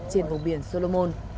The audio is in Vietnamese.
trên vùng biển solomon